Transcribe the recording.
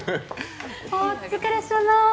お疲れさま。